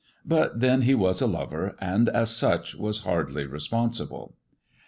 But then he was a lover, and as such was hardly responsible.